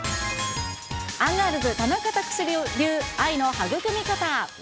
アンガールズ・田中卓志流、愛の育み方。